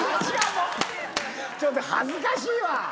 ちょっと恥ずかしいわ。